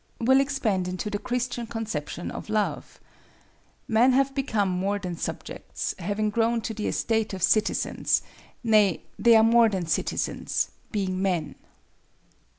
—will expand into the Christian conception of Love. Men have become more than subjects, having grown to the estate of citizens: nay, they are more than citizens, being men.